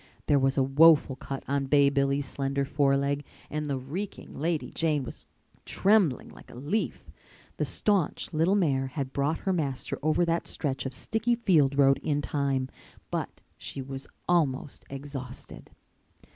There was a woeful cut on Bay Billy's slender foreleg and the reeking Lady Jane was trembling like a leaf. The staunch little mare had brought her master over that stretch of sticky field road in time, but she was almost exhausted.